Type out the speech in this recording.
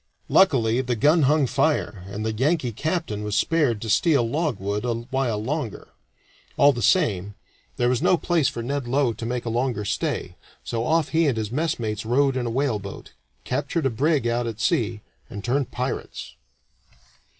Luckily the gun hung fire, and the Yankee captain was spared to steal logwood a while longer. All the same, that was no place for Ned Low to make a longer stay, so off he and his messmates rowed in a whaleboat, captured a brig out at sea, and turned pirates.